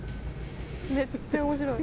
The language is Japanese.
めっちゃ面白い。